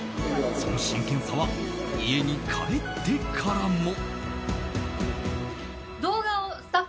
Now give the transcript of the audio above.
その真剣さは家に帰ってからも。